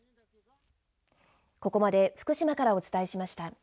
ここまで福島からお伝えしました。